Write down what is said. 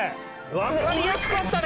わかりやすかったね。